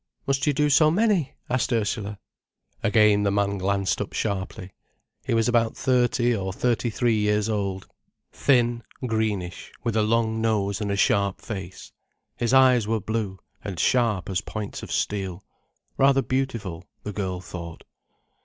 "Must you do so many?" asked Ursula. Again the man glanced up sharply. He was about thirty or thirty three years old, thin, greenish, with a long nose and a sharp face. His eyes were blue, and sharp as points of steel, rather beautiful, the girl thought.